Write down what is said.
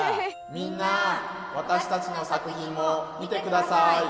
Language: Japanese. みんなわたしたちの作品も見て下さい！